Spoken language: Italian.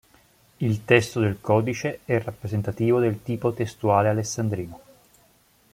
Il testo del codice è rappresentativo del Tipo testuale alessandrino.